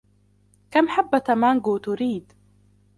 كم حبّة مانغو تريد ؟